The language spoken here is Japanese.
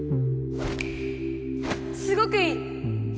すごくいい！